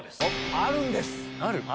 あるんです！